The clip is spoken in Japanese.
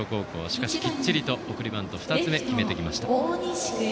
しかしきっちりと送りバント２つ目を決めてきました。